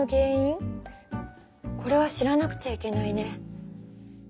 これは知らなくちゃいけないね。